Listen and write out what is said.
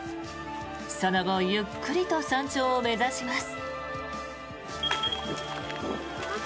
その後ゆっくりと山頂を目指します。